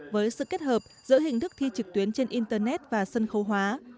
với sự kết hợp giữa hình thức thi trực tuyến trên internet và sân khấu hóa